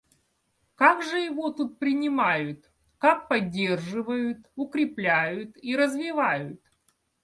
Как же его тут принимают, как поддерживают, укрепляют и развивают?